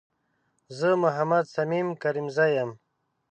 زه محمد صميم کريمزی یم